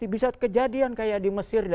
bisa kejadian kayak di mesir